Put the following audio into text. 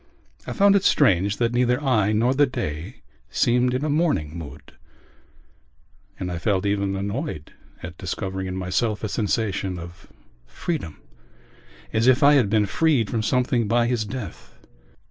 I found it strange that neither I nor the day seemed in a mourning mood and I felt even annoyed at discovering in myself a sensation of freedom as if I had been freed from something by his death.